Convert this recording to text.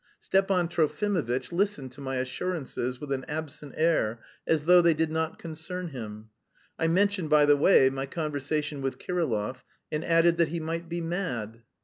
Stepan Trofimovitch listened to my assurances with an absent air, as though they did not concern him. I mentioned by the way my conversation with Kirillov, and added that he might be mad.